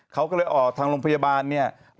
เขาก็เลยออกทางโรงพยาบาลเนี่ย